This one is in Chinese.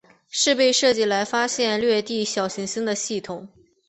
是被设计来发现掠地小行星的系统。